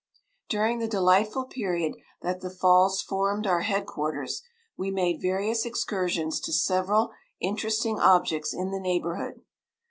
"During the delightful period that the Falls formed our head quarters, we made various excursions to several interesting objects in the neighbourhood.